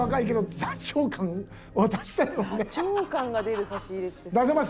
「座長感が出る差し入れって」